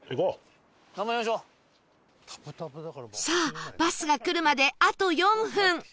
さあバスが来るまであと４分